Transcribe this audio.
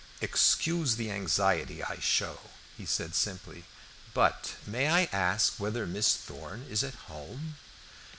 "Excuse the anxiety I show," he said simply, "but may I ask whether Miss Thorn is at home?"